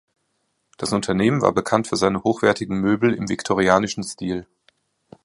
Das Unternehmen war bekannt für seine hochwertigen Möbel im viktorianischen Stil.